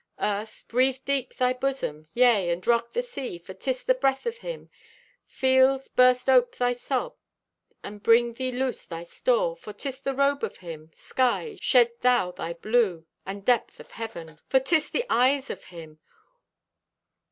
Earth, breathe deep thy busom, Yea, and rock the sea, For 'tis the breath of Him. Fields, burst ope thy sod, And fling thee loose thy store, For 'tis the robe of Him. Skies, shed thou thy blue, The depth of heaven, For 'tis the eyes of Him.